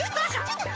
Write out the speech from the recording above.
ちょっと。